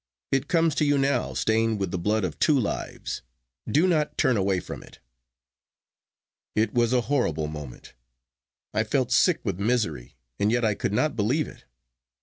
It comes to you now stained with the blood of two lives,—do not turn away from it.' It was a horrible moment. I felt sick with misery, and yet I could not believe it.